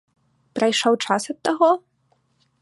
Прайшоў час ад таго?